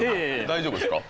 大丈夫ですか？